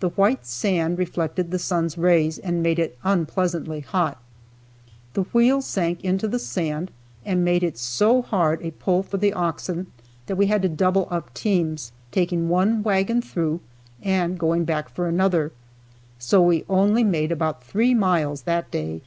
The white sand reflected the sun's rays and made it unpleasantly hot. The wheels sank into the sand and made it so hard a pull for the oxen that we had to double up teams, taking one wagon through and going back for another, so we only made about three miles that day.